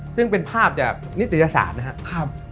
ซึ่งเป็นภาพจากนิตยศาสตร์นะครับ